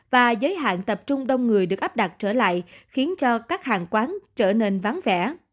và giới hạn tập trung đông người được áp đặt trở lại khiến cho các hàng quán trở nên vắng vẻ